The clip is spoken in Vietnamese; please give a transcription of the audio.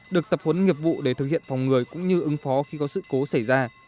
được tập huấn nghiệp vụ để thực hiện phòng người cũng như ứng phó khi có sự cố xảy ra